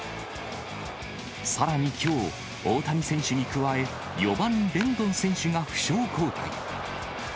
さらにきょう、大谷選手に加え、４番レンドン選手が負傷交代。